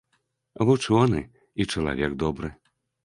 Вучоны і чалавек добры.